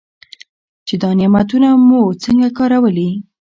چې دا نعمتونه مو څنګه کارولي.